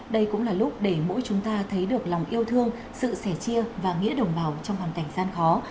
đây cũng là lúc để mỗi chúng ta thấy được lòng yêu thương sự sẻ chia và nghĩa đồng bào trong hoàn cảnh gian khó